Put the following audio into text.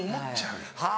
はい。